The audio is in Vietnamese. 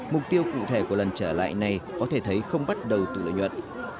mục tiêu cụ thể của lần trở lại này có thể thấy không bắt đầu từ lợi nhuận